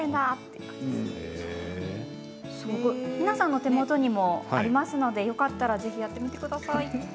皆さんのお手元にもありますのでよかったらやってみてください。